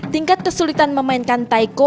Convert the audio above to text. tingkat kesulitan memainkan taiko